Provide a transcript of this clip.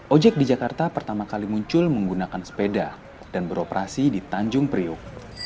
ojek di jakarta pertama kali muncul menggunakan sepeda dan beroperasi di tanjung priuk